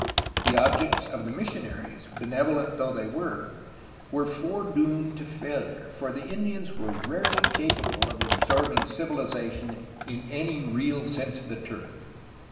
The objects of the missionaries, benevolent though they were, were foredoomed to failure, for the Indians were rarely capable of absorbing civilization in any real sense of the term.